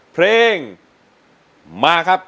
เพลงมาครับ